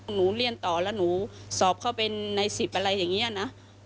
หนูเรียนต่อแล้วหนูสอบเข้าเป็นใน๑๐อะไรอย่างนี้นะ